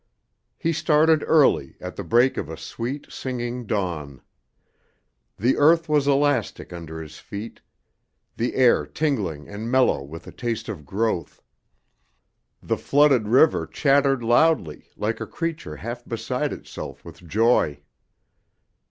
He started early, at the break of a sweet, singing dawn. The earth was elastic under his feet, the air tingling and mellow with a taste of growth; the flooded river chattered loudly like a creature half beside itself with joy.